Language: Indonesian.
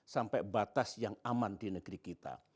sampai batas yang aman di negeri kita